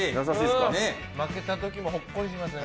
負けた時もほっこりしますね。